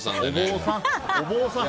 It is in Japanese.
お坊さん！